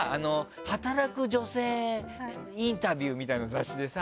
「働く女性インタビュー」みたいな雑誌でさ。